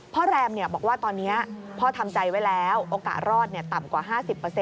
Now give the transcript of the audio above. พ่อแรมเนี่ยบอกว่าตอนนี้พ่อทำใจไว้แล้วโอกาสรอดเนี่ยต่ำกว่า๕๐